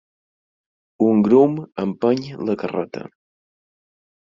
Un grum empeny la carreta.